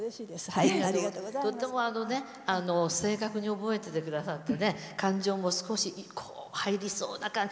とっても正確に覚えててくださって感情も入りそうな感じ。